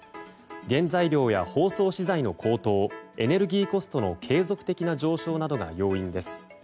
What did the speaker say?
原材料や包装資材の高騰エネルギーコストの継続的な上昇などが要因です。